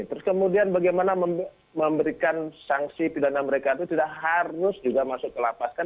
terus kemudian bagaimana memberikan sanksi pidana mereka itu tidak harus juga masuk dilapaskan